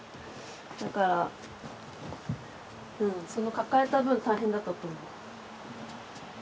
だからその抱えた分大変だと思います。